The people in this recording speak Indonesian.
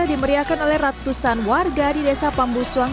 dimeriahkan oleh ratusan warga di desa pambusuang